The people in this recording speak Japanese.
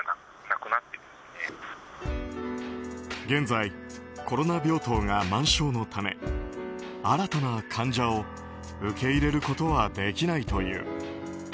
現在、コロナ病棟が満床のため新たな患者を受け入れることはできないという。